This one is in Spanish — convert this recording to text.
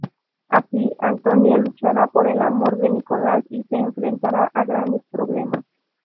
Así, Antonia luchará por el amor de Nicolás y se enfrentará a grandes problemas.